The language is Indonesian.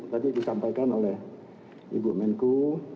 tadi disampaikan oleh ibu menku